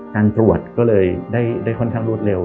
การตรวจก็เลยได้ค่อนข้างรวดเร็ว